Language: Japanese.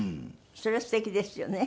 それはすてきですよね。